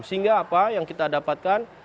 sehingga apa yang kita dapatkan